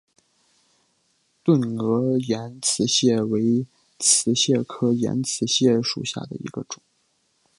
钝额岩瓷蟹为瓷蟹科岩瓷蟹属下的一个种。